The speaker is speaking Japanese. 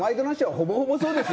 ほぼほぼそうですよ。